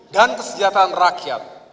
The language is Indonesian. dan kesejahteraan rakyat